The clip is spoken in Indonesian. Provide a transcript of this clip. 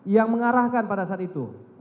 yang mengarahkan pada saat itu